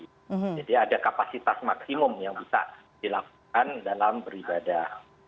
jadi ada kapasitas maksimum yang bisa dilakukan dalam beribadah